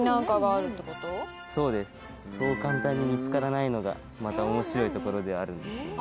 そうですそう簡単に見つからないのがまた面白いところではあるんですよね。